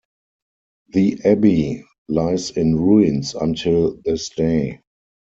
The abbey lies in ruins until this day.